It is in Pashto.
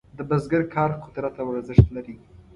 د بزګر کار قدر او ارزښت لري.